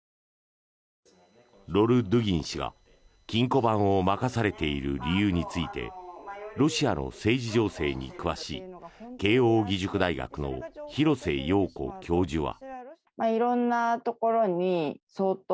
ロルドゥギン氏が金庫番を任されている理由についてロシアの政治情勢に詳しい慶応義塾大学の廣瀬陽子教授は。